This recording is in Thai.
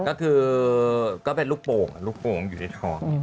ก็คือก็เป็นลูกโป่งลูกโป่งอยู่ในท้อง